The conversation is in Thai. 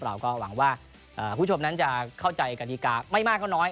เราก็หวังว่าคุณผู้ชมนั้นจะเข้าใจกฎิกาไม่มากก็น้อย